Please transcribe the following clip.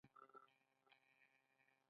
کاناډا د وتلو سرتیرو اداره لري.